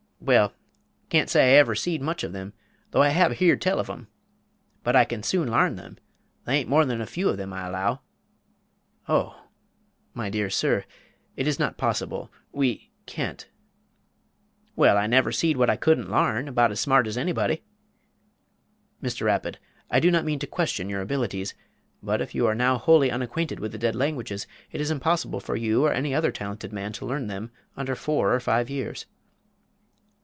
"Well, can't say I ever seed much of them, though I have heerd tell of them; but I can soon larn them they ain't more than a few of them I allow?" "Oh! my dear sir, it is not possible we can't " "Well, I never seed what I couldn't larn about as smart as anybody " "Mr. Rapid, I do not mean to question your abilities; but if you are now wholly unacquainted with the dead languages, it is impossible for you or any other talented man to learn them under four or five years."